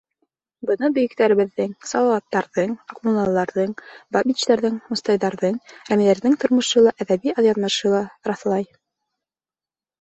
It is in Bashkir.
Быны бөйөктәребеҙҙең — Салауаттарҙың, Аҡмуллаларҙың, Бабичтарҙың, Мостайҙарҙың, Рәмиҙәрҙең тормошо ла, әҙәби яҙмышы ла раҫлай.